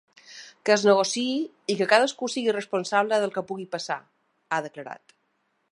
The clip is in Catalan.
Que es negociï i que cadascú sigui responsable del que pugui passar, ha declarat.